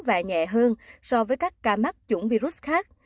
và nhẹ hơn so với các ca mắc chủng virus khác